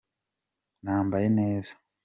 nambaye neza.